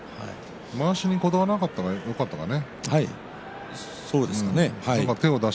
まわしにこだわらなかったのがよかったね。